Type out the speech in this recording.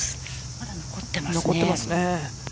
まだ残ってますね。